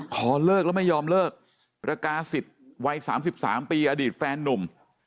ขอเลิกแล้วไม่ยอมเลิกประกาศิษย์วัย๓๓ปีอดีตแฟนนุ่ม